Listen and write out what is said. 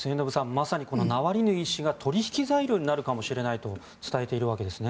まさにナワリヌイ氏が取引材料になるかもしれないと伝えているわけですね。